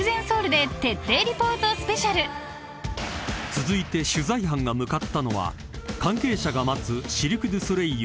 ［続いて取材班が向かったのは関係者が待つシルク・ドゥ・ソレイユ